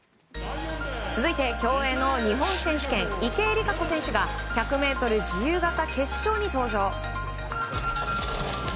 続いて競泳の日本選手権。池江璃花子選手が１００ｍ自由形決勝に登場。